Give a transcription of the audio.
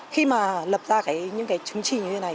khi mà lập ra những cái chứng chỉ như thế này